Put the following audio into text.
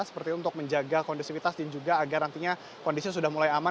seperti itu untuk menjaga kondusivitas dan juga agar nantinya kondisinya sudah mulai aman